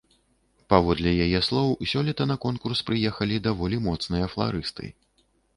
Паводле яе слоў, сёлета на конкурс прыехалі даволі моцныя фларысты.